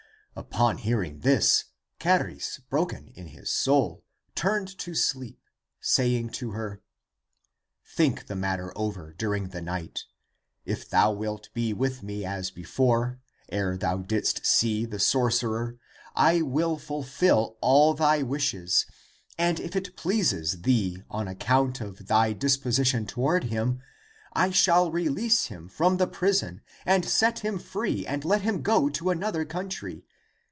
Upon hearing this, Charis, broken in his soul, turned to sleep, saying to her, " Think the matter over during the night! If thou wilt be with me as before, ere thou didst see the sorcerer, I will fulfill all thy wishes, and if it pleases thee on account of thy kind disposition toward him, I shall release him from the prison and set him free and let him go to another country.